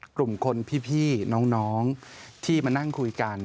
กลุ่มคนพี่น้องที่มานั่งคุยกัน